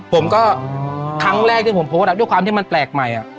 ผมก็ครั้งแรกที่ผมโพสต์ด้วยความที่มันแปลกใหม่